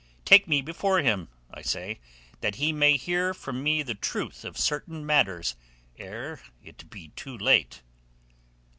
Take me before him, I say, that he may hear from me the truth of certain matters ere it be too late."